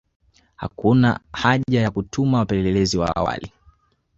Hakuona haja ya kutuma wapelelezi wa awali